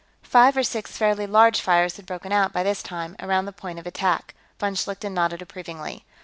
Five or six fairly large fires had broken out, by this time, around the point of attack. Von Schlichten nodded approvingly.